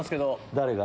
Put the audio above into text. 誰が？